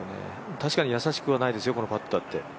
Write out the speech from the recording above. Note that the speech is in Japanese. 確かに易しくはないですよ、このパットだって。